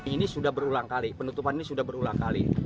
ini sudah berulang kali penutupan ini sudah berulang kali